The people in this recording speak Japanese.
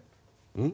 うん？